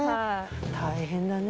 大変なね